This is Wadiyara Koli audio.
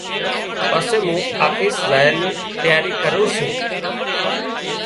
پسي مُون آفيس زايا نِي تياري ڪرُون سوُن۔